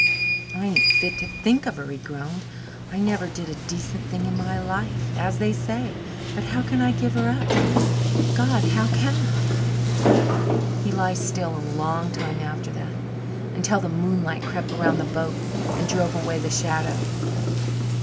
"I ain't fit to think of her," he groaned. "I never did a decent thing in my life, as they say. But how can I give her up God, how can I?" He lay still a long time after that, until the moonlight crept around the boat and drove away the shadow.